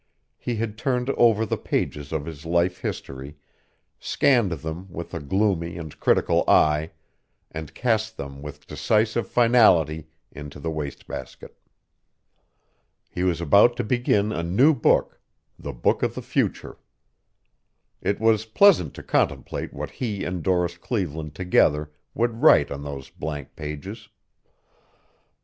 He had turned over the pages of his life history, scanned them with a gloomy and critical eye, and cast them with decisive finality into the waste basket. He was about to begin a new book, the book of the future. It was pleasant to contemplate what he and Doris Cleveland together would write on those blank pages.